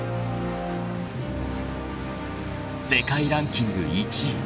［世界ランキング１位］